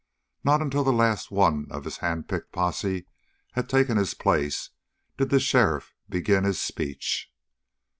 Not until the last of his handpicked posse had taken his place did the sheriff begin his speech.